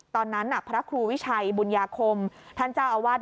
ตอนนั้นพระครูวิชัยบุญญาคมท่านเจ้าอาวาส